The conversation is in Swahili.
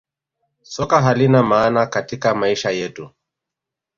Soka halina maana katika maisha yetu